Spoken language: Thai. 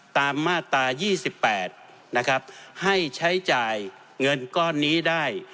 ตามมาตรา๒๘นะครับให้ใช้จ่ายเงินก้อนนี้ได้